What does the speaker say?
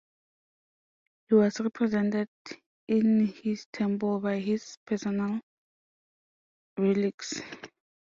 He was represented in his temple by his personal relics.